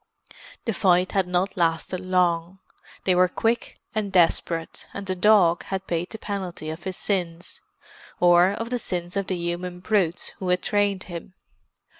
The fight had not lasted long; they were quick and desperate, and the dog had paid the penalty of his sins—or of the sins of the human brutes who had trained him.